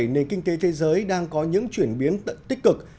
nền kinh tế thế giới đang có những chuyển biến tích cực